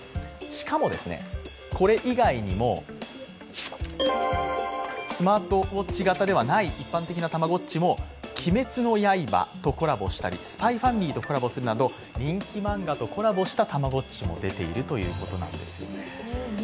しかも、これ以外にもスマートウォッチ型ではない一般的なたまごっちも「鬼滅の刃」とコラボしたり「ＳＰＹ×ＦＡＭＩＬＹ」とコラボするなど、人気漫画とコラボしたたまごっちも出ているということです。